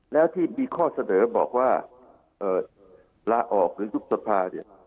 แล้วที่มีข้อเสนอบอกว่าลาออกหรือยุบสภาเนี่ย